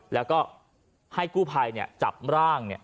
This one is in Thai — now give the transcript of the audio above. แล้วก็ให้กู้ไพรจับร่างเนี่ย